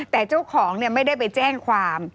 แต่เจ้าของไม่ได้ไปแจ้งความ